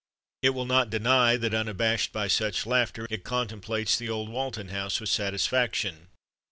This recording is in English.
It will not deny that, unabashed by such laughter, it contemplates the old Walton House with satisfaction.